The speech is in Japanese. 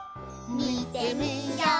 みてみよう！